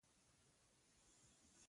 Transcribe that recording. لږ خاموشه شو.